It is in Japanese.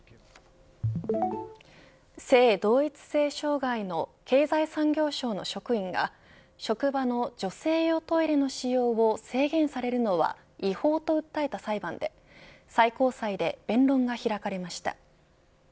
性同一性障害の経済産業省の職員が職場の女性用トイレの使用を制限されるのは違法と訴えた裁判で最高裁で弁論が開かれました。